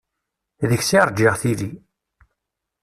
Deg-s i rǧiɣ tili.